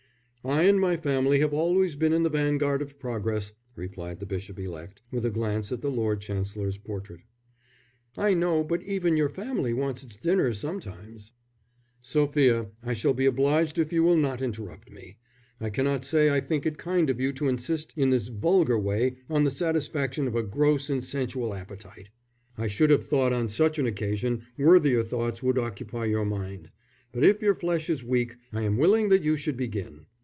"I and my family have always been in the vanguard of progress," replied the bishop elect, with a glance at the Lord Chancellor's portrait. "I know, but even your family wants its dinner sometimes." "Sophia, I shall be obliged if you will not interrupt me. I cannot say I think it kind of you to insist in this vulgar way on the satisfaction of a gross and sensual appetite. I should have thought on such an occasion worthier thoughts would occupy your mind. But if your flesh is weak I am willing that you should begin.